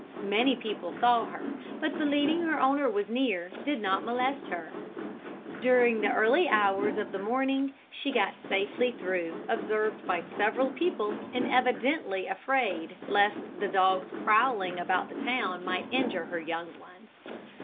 Many people saw her, but believing her owner was near, did not molest her. During the early hours of the morning she got safely through, observed by several people, and evidently afraid lest the dogs prowling about the town might injure her young one.